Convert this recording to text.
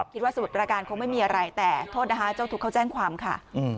สมุทรประการคงไม่มีอะไรแต่โทษนะคะเจ้าทุกข์เขาแจ้งความค่ะ